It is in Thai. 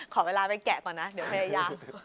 ขอเวลาไปแกะก่อนนะเดี๋ยวพยายาม